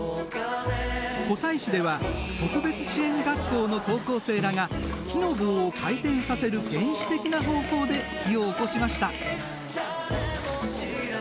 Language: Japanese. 湖西市では、特別支援学校の高校生らが、木の棒を回転させる原始的な方法で火をおこしました。